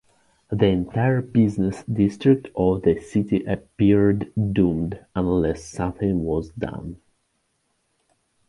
The entire business district of the city appeared doomed unless something was done.